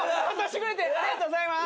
ありがとうございます。